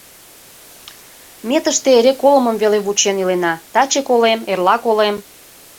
Ме тыште эре колымым веле вучен илена: таче колем, эрла колем...